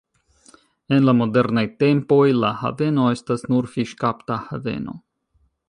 En la modernaj tempoj la haveno estas nur fiŝkapta haveno.